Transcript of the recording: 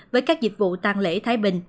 với các dịch vụ tăng lễ thái bình